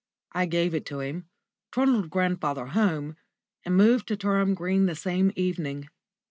I gave it to him, trundled grandfather home, and moved to Turnham Green the same evening.